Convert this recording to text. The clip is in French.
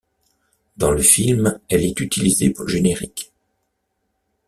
Dans le film elle est utilisée pour le générique.